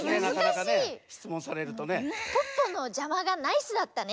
しつもんされるとね。